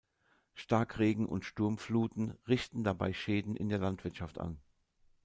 Starkregen und Sturmfluten richten dabei Schäden in der Landwirtschaft an.